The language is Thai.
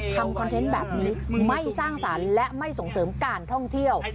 คอนเทนต์แบบนี้ไม่สร้างสรรค์และไม่ส่งเสริมการท่องเที่ยว